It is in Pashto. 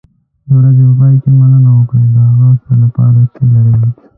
د ورځې په پای کې مننه وکړه د هغه څه لپاره چې لرې.